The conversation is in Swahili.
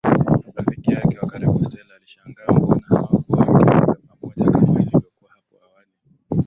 Rafiki yake wa karibu Stella alishangaa mbona hawakuwa wakioga pamoja kama ilivyokuwa hapo awali